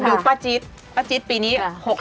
ดูป้าจิตปี่นี้๖๑